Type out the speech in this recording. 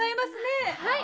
はい！